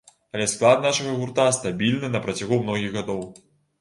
Але склад нашага гурта стабільны на працягу многіх гадоў.